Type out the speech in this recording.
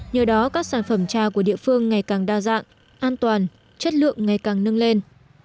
nhờ đó các sản phẩm trà của địa phương ngày càng đa dạng an toàn chất lượng ngày càng nâng lên